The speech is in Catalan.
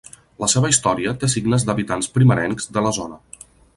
La seva història té signes d'habitants primerencs de la zona.